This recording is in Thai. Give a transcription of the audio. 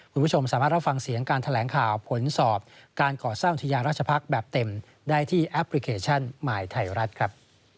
คุณผู้ชมสามารถรับฟังเสียงการแถลงข่าวผลสอบการก่อสร้างอุทยาราชพักษ์แบบเต็มได้ที่แอปพลิเคชันหมายไทยรัฐครับ